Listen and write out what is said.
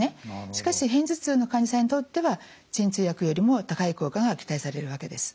しかし片頭痛の患者さんにとっては鎮痛薬よりも高い効果が期待されるわけです。